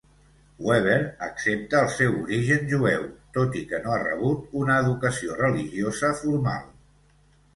Weber accepta el seu origen jueu tot i que no ha rebut una educació religiosa formal.